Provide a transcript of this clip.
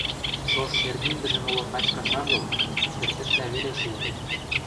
Шож шергиндӹжӹм моло качкаш агыл, тӹртӹшлӓ веле шултыт...